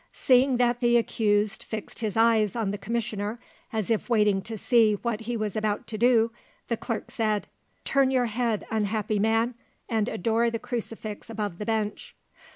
Seeing that the accused fixed his eyes on the commissioner as if waiting to see what he was about to do, the clerk said: "Turn your head, unhappy man, and adore the crucifix above the bench."